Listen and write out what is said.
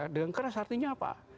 dengan keras artinya apa